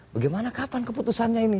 bagaimana kapan keputusannya ini